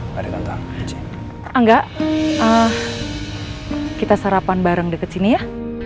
kita sarapan bareng deket sini ya